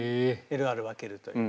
ＬＲ分けるという。